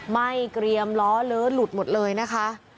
ไหม้เกรียมล้อเลอะหลุดหมดเลยนะคะ